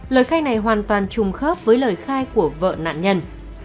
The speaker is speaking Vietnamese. lời khai này hoàn toàn trùng khớp với lời khai của vợ nạn nhân